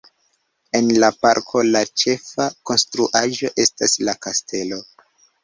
En la parko la ĉefa konstruaĵo estas la kastelo.